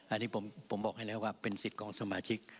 อันนี้ผมบอกให้แล้วว่าเป็นสิทธิ์ของสมาชิก